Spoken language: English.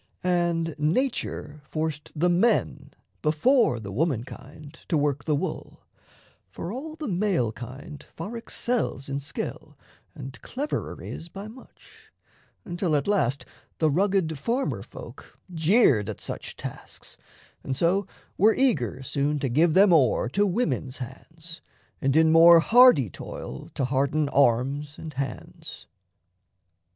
And nature forced the men, Before the woman kind, to work the wool: For all the male kind far excels in skill, And cleverer is by much until at last The rugged farmer folk jeered at such tasks, And so were eager soon to give them o'er To women's hands, and in more hardy toil To harden arms and hands.